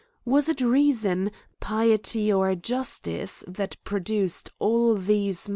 Was it reason, piety, or iustice that produced all these murders